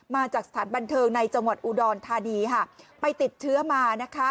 มาจากสถานบันเทิงในจังหวัดอุดรธานีค่ะไปติดเชื้อมานะคะ